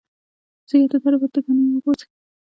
د ځیګر د درد لپاره د ګنیو اوبه وڅښئ